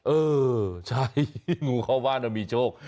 เออใช่งูเข้าบ้านมีโชค